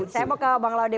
saya mau ke bang laude